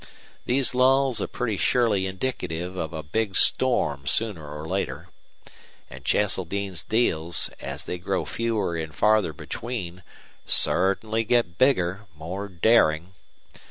These lulls are pretty surely indicative of a big storm sooner or later. And Cheseldine's deals, as they grow fewer and farther between, certainly get bigger, more daring.